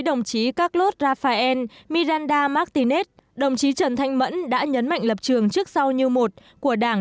đồng chí carlos rafael miranda martinet đồng chí trần thanh mẫn đã nhấn mạnh lập trường trước sau như một của đảng